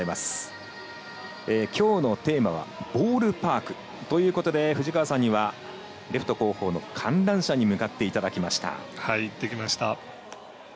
きょうのテーマはボールパークということで藤川さんにはレフト後方の観覧車に向かっていただきました。